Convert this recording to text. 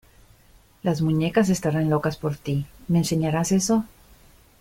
Las muñecas estarán locas por ti. ¿ Me enseñarás eso?